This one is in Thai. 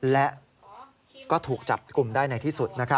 และก็ถูกจับกลุ่มได้ในที่สุด